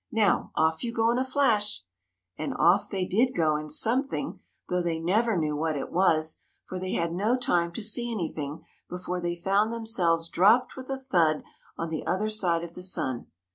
Now, off you go in a flash !" And off they did go in something, though they never knew what it was, for they had no time to see anything before they found them selves dropped with a thud on the other side of the sun.